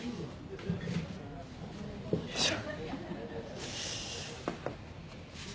よいしょ。